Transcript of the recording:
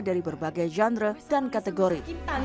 dari berbagai genre dan kategori